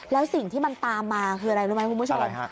แล้วสิ่งที่มันตามมาคืออะไรรู้ไหมคุณผู้ชม